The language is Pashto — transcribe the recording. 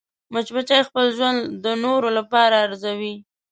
مچمچۍ خپل ژوند د نورو لپاره ارزوي